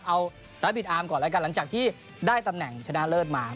เอารับผิดอาร์มก่อนแล้วกันหลังจากที่ได้ตำแหน่งชนะเลิศมา